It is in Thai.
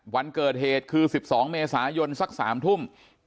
วันเกิดเหตุคือ๑๒เมษายนสัก๓ทุ่ม